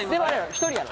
１人やろ？